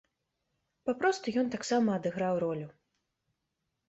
Папросту ён таксама адыграў ролю.